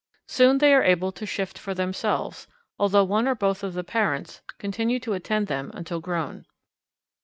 Soon they are able to shift for themselves, although one or both of the parents continue to attend them until grown.